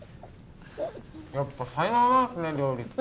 やっぱ才能なんすね料理って。